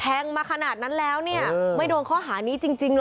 มาขนาดนั้นแล้วเนี่ยไม่โดนข้อหานี้จริงเหรอ